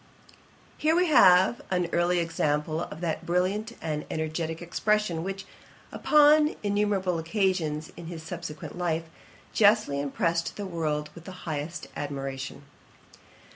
Here we have an early example of that brilliant and energetick expression, which, upon innumerable occasions in his subsequent life, justly impressed the world with the highest admiration.